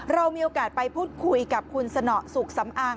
เรามีโอกาสไปพูดคุยกับคุณสนสุขสำอาง